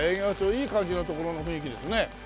いい感じのところの雰囲気ですね。